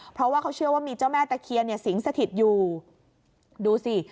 เพราะว่าเขาเชื่อว่ามีเจ้าแม่ตะเคียนเนี่ยสิงสถิตอยู่ดูสิ